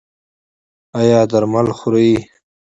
ایا درمل خورئ؟